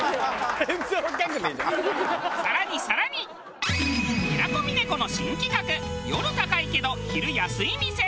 更に更に平子峰子の新企画夜高いけど昼安い店。